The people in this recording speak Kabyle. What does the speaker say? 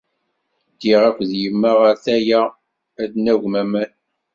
Ddiɣ akked yemma ɣer tala ad d-nagwem aman.